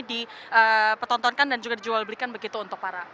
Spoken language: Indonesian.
dipertontonkan dan juga dijual belikan begitu untuk para